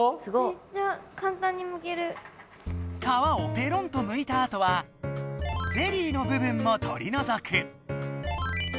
めっちゃ皮をペロンとむいたあとはゼリーの部分も取りのぞく！